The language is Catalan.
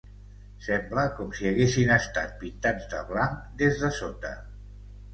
Sembla com si haguessin estat pintats de blanc des de sota.